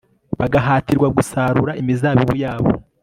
bagahatirwa gusarura imizabibu yabo